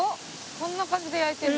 こんな感じで焼いてるんだ。